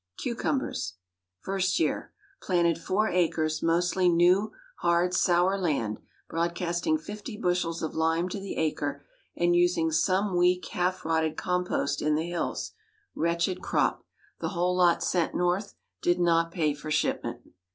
CUCUMBERS. First Year. Planted four acres, mostly new, hard, sour land, broad casting fifty bushels of lime to the acre, and using some weak, half rotted compost in the hills: wretched crop. The whole lot sent North: did not pay for shipment.